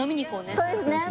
そうですね。